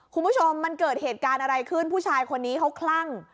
คุณผู้ชมมันเกิดเหตุการณ์อะไรขึ้นผู้ชายคนนี้เขาคลั่ง